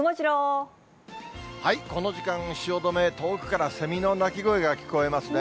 この時間、汐留、遠くからセミの鳴き声が聞こえますね。